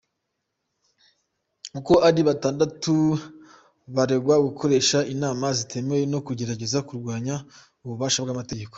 Uko ari batandatu bararegwa gukoresha inama zitemewe no kugerageza kurwanya ububasha bw'amategeko.